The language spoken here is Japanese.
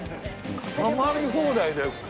たまり放題だよ。